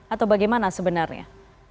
atau bagaimana sebenarnya